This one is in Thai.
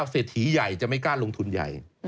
เศรษฐีใหญ่จะไม่กล้าลงทุนใหญ่